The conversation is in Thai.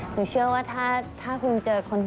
หนูเชื่อว่าถ้าคุณเจอคนแบบนี้